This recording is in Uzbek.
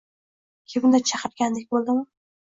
Kimdir chaqirganday bo‘ldimi?